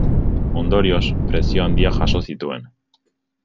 Ondorioz, presio handiak jaso zituen.